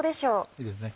いいですね。